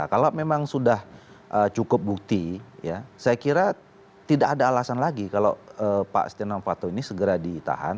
kalau memang sudah cukup bukti ya saya kira tidak ada alasan lagi kalau pak stiano fanto ini segera ditahan